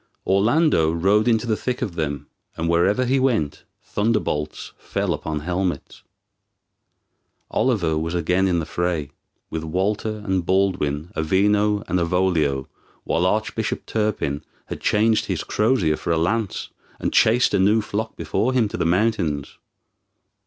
Orlando rode into the thick of them, and wherever he went thunderbolts fell upon helmets. Oliver was again in the fray, with Walter and Baldwin, Avino and Avolio, while Arch bishop Turpin had changed his crosier for a lance, and chased a new flock before him to the mountains.